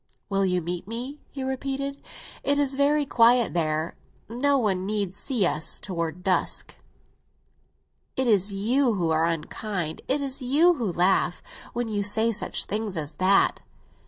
"Will you meet me?" he repeated. "It is very quiet there; no one need see us—toward dusk?" "It is you who are unkind, it is you who laugh, when you say such things as that."